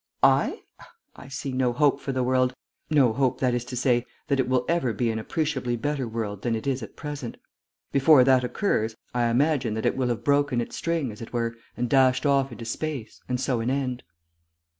"I? I see no hope for the world. No hope, that is to say, that it will ever be an appreciably better world than it is at present. Before that occurs, I imagine that it will have broken its string, as it were, and dashed off into space, and so an end."